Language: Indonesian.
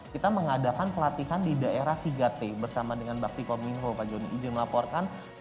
kita mengadakan pelatihan di daerah tiga t bersama dengan bakti kominfo pak joni iji melaporkan